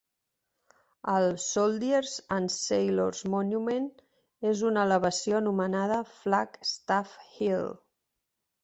El "Soldiers and Sailors Monument" és en una elevació anomenada Flag Staff Hill.